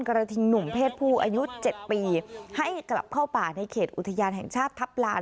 กระทิงหนุ่มเพศผู้อายุ๗ปีให้กลับเข้าป่าในเขตอุทยานแห่งชาติทัพลาน